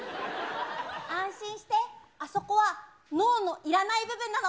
安心して、あそこは脳のいらない部分なの。